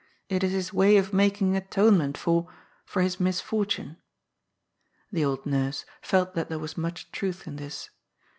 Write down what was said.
It is his way of making atone ment for — for his misfortune." The old nurse felt that there was much truth in this.